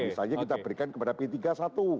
misalnya kita berikan kepada p tiga satu